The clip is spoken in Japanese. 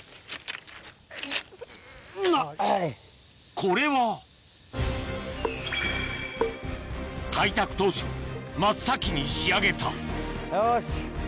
これは開拓当初真っ先に仕上げたよし。